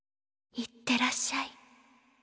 いってらっしゃい。